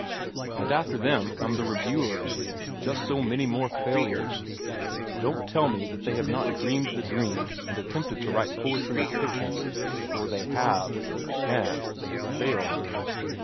And after them come the reviewers, just so many more failures. Don't tell me that they have not dreamed the dream and attempted to write poetry or fiction; for they have, and they have failed.